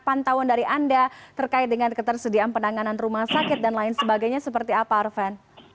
pantauan dari anda terkait dengan ketersediaan penanganan rumah sakit dan lain sebagainya seperti apa arven